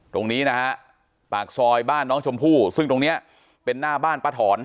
ตรงนี้นะฮะปากซอยบ้านน้องชมพู่ซึ่งตรงนี้เป็นหน้าบ้านป้าถอน